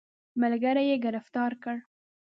ملګري یې ګرفتار کړ.